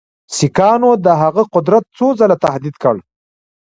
سیکهانو د هغه قدرت څو ځله تهدید کړ.